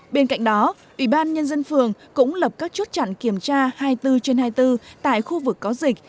bên cạnh đó ủy ban nhân dân phường cũng lập các chốt chặn kiểm tra hai mươi bốn trên hai mươi bốn tại khu vực có dịch